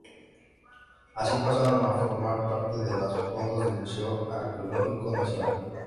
Así pasaron a formar parte de los fondos del Museo Arqueológico Nacional.